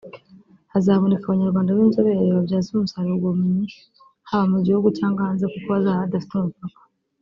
Hazaboneka Abanyarwanda b’inzobere babyaza umusaruro ubwo bumenyi haba mu gihugu cyangwa hanze kuko bazaba badafite umupaka”